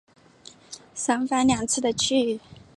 三番两次的去